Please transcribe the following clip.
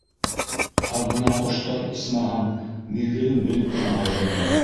Ә бына ҡоштар, исмаһам, миҙгелен белеп кенә һайрайҙар.